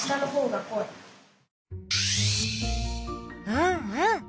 うんうん。